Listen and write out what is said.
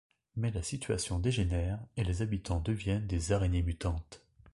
Mais la situation dégénère et les habitants deviennent des araignées mutantes.